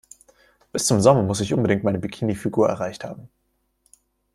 Bis zum Sommer muss ich unbedingt meine Bikini-Figur erreicht haben.